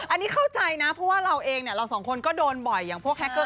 อันนี้เข้าใจนะเพราะว่าเราเองเนี่ยเราสองคนก็โดนบ่อยอย่างพวกแฮคเกอร์